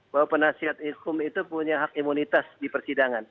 bahwa penasihat hukum itu punya hak imunitas di persidangan